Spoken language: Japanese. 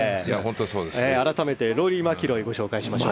改めて、ローリー・マキロイをご紹介しましょう。